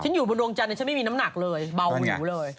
อยู่บนดวงจันทร์ฉันไม่มีน้ำหนักเลยเบาหิวเลย